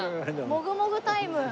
もぐもぐタイム。